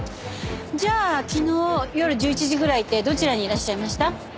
じゃあ昨日夜１１時ぐらいってどちらにいらっしゃいました？